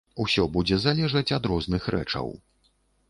Усё будзе залежаць ад розных рэчаў.